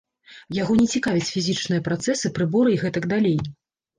Яго не цікавяць фізічныя працэсы, прыборы і гэтак далей.